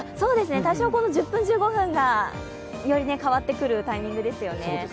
多少、この１０１５分がより変わってくるタイミングですよね。